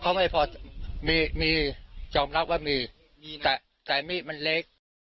เขาไม่พอมีมียอมรับว่ามีมีแต่แต่มีดมันเล็ก